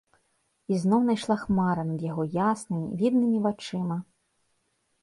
Ізноў найшла хмара над яго яснымі, віднымі вачыма.